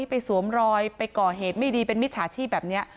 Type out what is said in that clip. สวมรอยไปก่อเหตุไม่ดีเป็นมิจฉาชีพแบบนี้